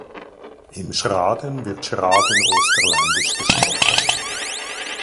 Im Schraden wird Schraden-Osterländisch gesprochen.